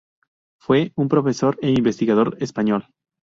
Fue un profesor e investigador español.